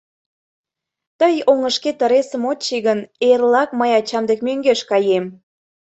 — Тый оҥышкет ыресым от чий гын, эрлак мый ачам дек мӧҥгеш каем.